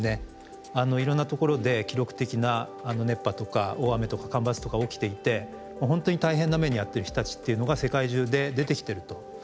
いろんな所で記録的な熱波とか大雨とか干ばつとか起きていて本当に大変な目に遭ってる人たちっていうのが世界中で出てきてると。